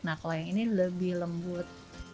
nah kalau yang ini lebih lembut